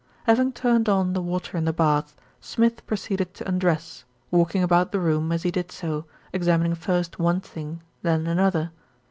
Having turned on the water in the bath, Smith pro ceeded to undress, walking about the room as he did so, examining first one thing, then another.